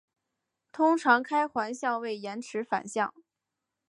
通常开环相位延迟反相。